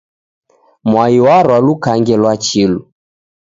Mwai warwa lukange lwa chilu.